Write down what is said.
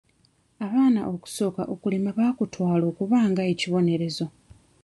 Abaana okusooka okulima baakutwala okuba nga ekibonerezo.